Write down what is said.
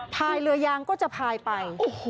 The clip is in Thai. พายเรือยางก็จะพายไป